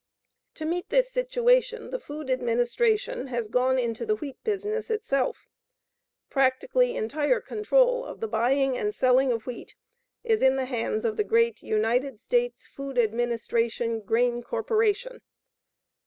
To meet this situation the Food Administration has gone into the wheat business itself. PRACTICALLY ENTIRE CONTROL OF THE BUYING AND SELLING OF WHEAT IS IN THE HANDS OF THE GREAT UNITED STATES FOOD ADMINISTRATION GRAIN CORPORATION.